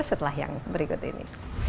setelah yang berikut ini